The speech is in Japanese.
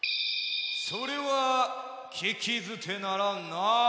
それはききずてならんな。